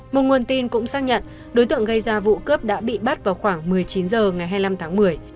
một nguồn tin cũng xác nhận đối tượng gây ra vụ cướp đã bị bắt vào khoảng một mươi chín h ngày hai mươi năm tháng một mươi